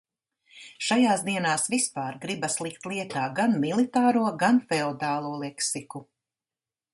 Šajās dienās vispār gribas likt lietā gan militāro, gan feodālo leksiku.